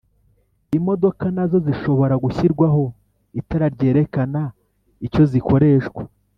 Imodoka nazo zishobora gushyirwaho itara ryerekana icyo zikoreshwa.